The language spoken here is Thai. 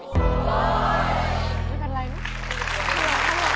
ไม่เป็นไรนะ